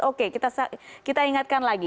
oke kita ingatkan lagi